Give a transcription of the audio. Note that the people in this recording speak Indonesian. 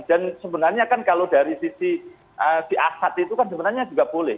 dan sebenarnya kan kalau dari sisi si asat itu kan sebenarnya juga boleh